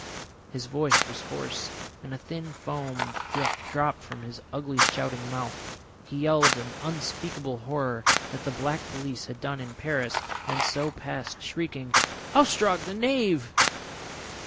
His voice was hoarse and a thin foam dropped from his ugly shouting mouth. He yelled an unspeakable horror that the Black Police had done in Paris, and so passed shrieking, "Ostrog the Knave!"